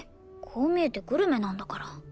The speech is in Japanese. こう見えてグルメなんだから。